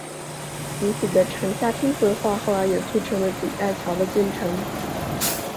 如此的城下町规划后来也促成了锦带桥的建成。